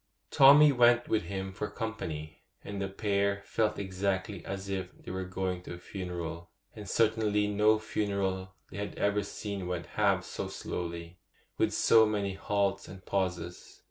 Tommy went with him for company, and the pair felt exactly as if they were going to a funeral; and certainly no funeral they had ever seen went half so slowly, and with so many halts and pauses.